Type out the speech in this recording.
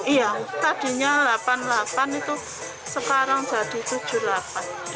iya tadinya rp delapan delapan ratus itu sekarang jadi rp tujuh delapan ratus